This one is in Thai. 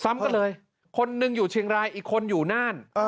กันเลยคนหนึ่งอยู่เชียงรายอีกคนอยู่น่าน